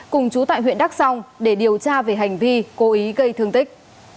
cùng chú tại huyện đắk song để điều tra về hành vi cố ý gây thương tích